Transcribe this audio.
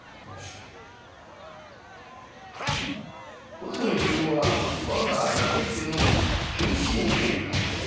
穂積君は我が伊達家の旧臣の家柄。